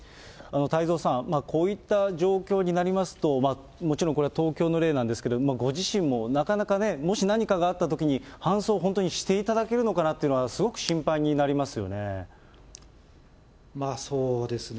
太蔵さん、こういった状況になりますと、もちろんこれは東京の例なんですけど、ご自身もなかなかね、もし何かがあったときに搬送を本当にしていただけるのかなって、そうですね。